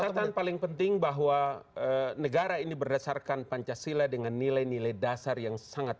catatan paling penting bahwa negara ini berdasarkan pancasila dengan nilai nilai dasar yang sangat